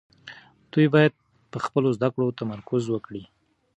دوی باید په خپلو زده کړو تمرکز وکړي.